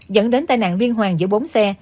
dẫn đến tai nạn liên hoàn giữa bốn xe